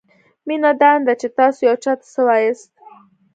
مینه دا نه ده؛ چې تاسو یو چاته څه وایاست؛